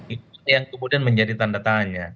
itulah yang kemudian menjadi tanda tanya